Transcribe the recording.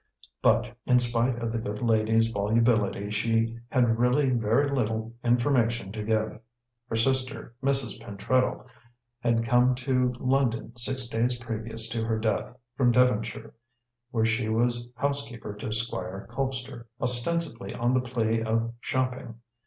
But in spite of the good lady's volubility, she had really very little information to give. Her sister, Mrs. Pentreddle, had come to London six days previous to her death, from Devonshire, where she was housekeeper to Squire Colpster, ostensibly on the plea of shopping.